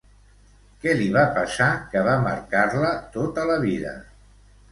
Què li va passar, que va marcar-la tota la vida?